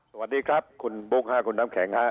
สวัสดีครับคุณบุ๊คค่ะคุณน้ำแข็งฮะ